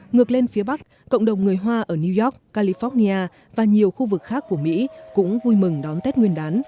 ngược lên phía bắc cộng đồng người hoa ở new york california và nhiều khu vực khác của mỹ cũng vui mừng đón tết nguyên đán